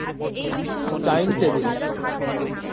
Time table.